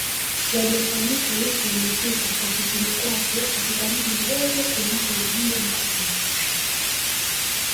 Yaliyofanyika wiki iliyopita ofisini kwake katika Mji mdogo wa Mto wa Mbu mkoani Arusha